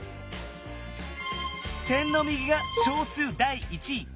点の右が小数第一位。